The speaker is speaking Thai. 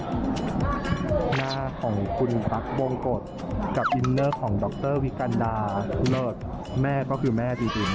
อันนี้นะคะหน้าของคุณพักวงกฎกับอิมเนอร์ของดรวิกัณฑ์ดาเหลือแม่ก็คือแม่ดีจริง